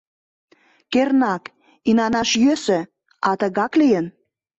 — Кернак, инанаш йӧсӧ, а тыгак лийын.